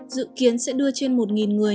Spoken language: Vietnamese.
dự kiến sẽ đưa trên một người